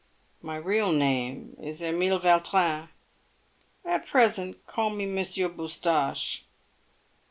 My real name is Emile Vautrin. At present call me Monsieur Boustache.